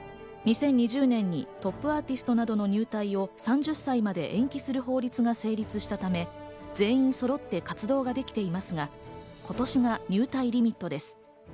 ２０２０年にトップアーティストなどの入隊を３０歳まで延期する法律が成立したため、全員揃って活動ができていますが、今年が入隊リミットです。